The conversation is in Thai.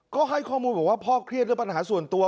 ก็ให้ข้อมูลบอกว่าพ่อเครียดเรื่องปัญหาส่วนตัว